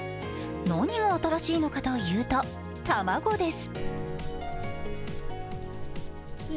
何が新しいのかというと卵です。